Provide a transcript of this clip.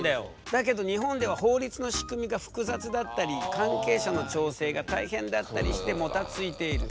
だけど日本では法律の仕組みが複雑だったり関係者の調整が大変だったりしてもたついている。